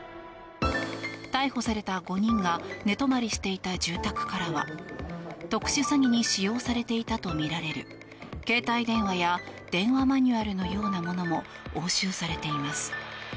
逮捕された５人が寝泊まりしていた住宅からは詐欺容疑に使用されていたとみられる携帯電話や電話マニュアルのようなものも押収されています。